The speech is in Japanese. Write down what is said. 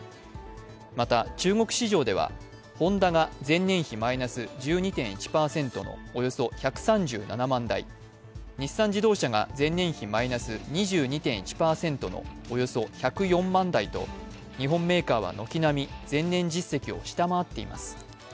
また、中国市場ではホンダが前年比マイナス１２．１％のおよそ１３７万台日産自動車が前年比マイナス２２．１％のおよそ１０４万台と日本メーカーは軒並み前年実績を下回っています。